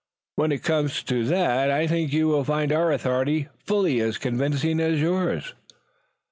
"When it comes to that I think you will find our authority fully as convincing as yours."